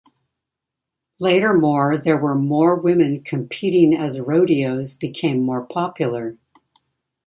Later more there were more women competing as rodeos became more popular.